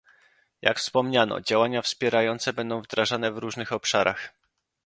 Jak wspomniano, działania wspierające będą wdrażane w różnych obszarach